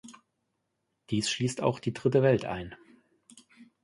Dies schließt auch die Dritte Welt ein.